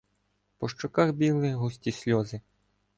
По щоках бігли густі сльози.